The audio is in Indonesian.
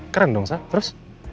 keren dong sa terus